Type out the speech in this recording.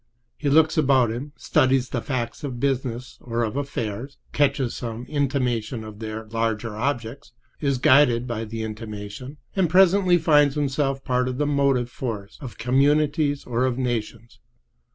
He looks about him, studies the facts of business or of affairs, catches some intimation of their larger objects, is guided by the intimation, and presently finds himself part of the motive force of communities or of nations.